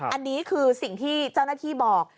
อันนี้คือสิ่งที่เจ้าหน้าที่บอก